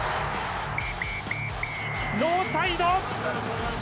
ノーサイド！